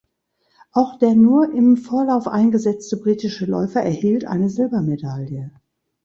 Auch der nur im Vorlauf eingesetzte britische Läufer erhielt eine Silbermedaille.